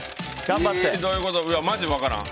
マジ分からん。